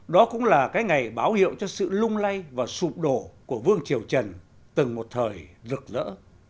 đó cũng là cái ngày báo hiệu cho sự lung lay và sụp đổ của vương triều trần từng một thời rực rỡ